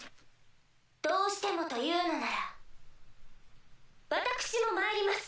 どうしてもと言うのなら私も参ります！